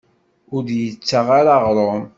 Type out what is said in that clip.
Ur d-yettaɣ ara aɣṛum.